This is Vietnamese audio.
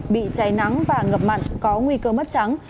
bị cháy nắng và ngập mặn có nguy cơ mất trắng